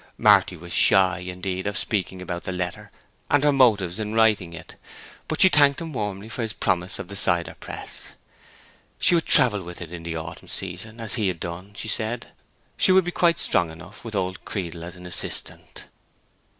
Marty was shy, indeed, of speaking about the letter, and her motives in writing it; but she thanked him warmly for his promise of the cider press. She would travel with it in the autumn season, as he had done, she said. She would be quite strong enough, with old Creedle as an assistant.